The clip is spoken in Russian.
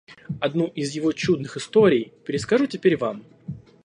Одну из его чудных историй перескажу теперь вам.